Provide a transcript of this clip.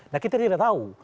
nah kita tidak tahu